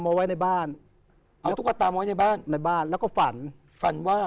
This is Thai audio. เอาไว้ในบ้านเอาตุ๊กตามาไว้ในบ้านในบ้านแล้วก็ฝันฝันว่า